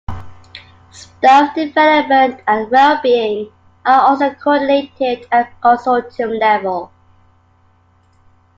Staff development and well-being are also coordinated at consortium level.